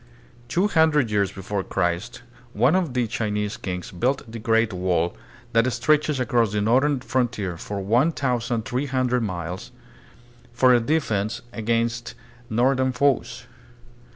Two hundred years before Christ one of the Chinese kings built the Great Wall that stretches across the northern frontier for one thousand three hundred miles, for a defense against north ern foes.